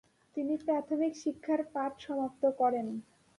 তিনি প্রাথমিক শিক্ষার পাঠ সমাপ্ত করেন।